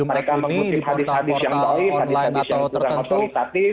mereka mengutip hadis hadis yang baik hadis hadis yang tidak otoritatif